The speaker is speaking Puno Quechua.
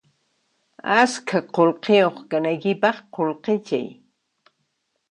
Askha qullqiyuq kanaykipaq qullqichay